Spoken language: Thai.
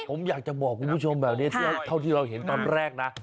ผมอยากจะบอกคุณผู้ชมแบบนี้เท่าที่เราเห็นตอนแรกนะ